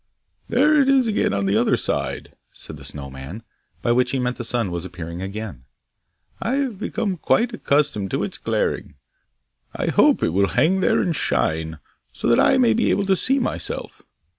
'There it is again on the other side!' said the Snow man, by which he meant the sun was appearing again. 'I have become quite accustomed to its glaring. I hope it will hang there and shine, so that I may be able to see myself.